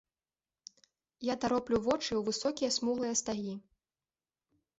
Я тароплю вочы ў высокія смуглыя стагі.